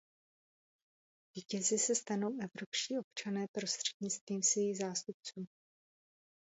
Vítězi se stanou evropští občané prostřednictvím svých zástupců.